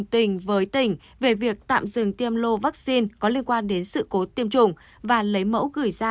tình với tỉnh về việc tạm dừng tiêm lô vaccine có liên quan đến sự cố tiêm chủng và lấy mẫu gửi ra